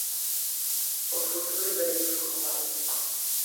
O futuro veremos como vai.